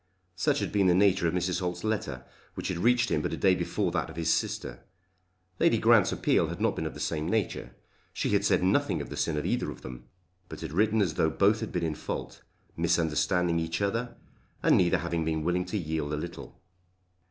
Such had been the nature of Mrs. Holt's letter, which had reached him but a day before that of his sister. Lady Grant's appeal had not been of the same nature. She had said nothing of the sin of either of them; but had written as though both had been in fault, misunderstanding each other, and neither having been willing to yield a little.